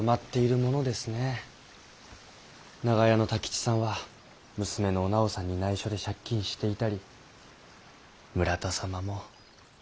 長屋の太吉さんは娘のお直さんにないしょで借金していたり村田様も。